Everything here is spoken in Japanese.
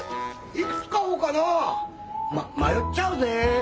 いくつ買おうかな迷っちゃうぜ。